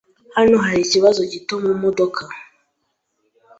Hano hari ikibazo gito mumodoka.